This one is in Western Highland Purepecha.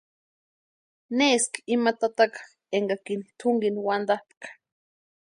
Neski ima tataka énkakini tʼunkini wantapʼakʼa.